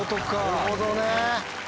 なるほどね。